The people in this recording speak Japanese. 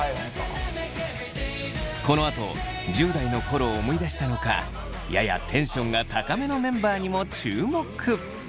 このあと１０代の頃を思い出したのかややテンションが高めのメンバーにも注目。